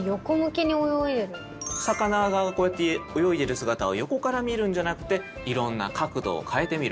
魚がこうやって泳いでる姿を横から見るんじゃなくていろんな角度を変えてみる。